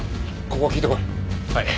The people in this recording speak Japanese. ここ聞いてこい。